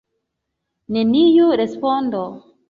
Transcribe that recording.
Neniu respondo.